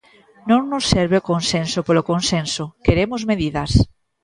Non nos serve o consenso polo consenso, queremos medidas.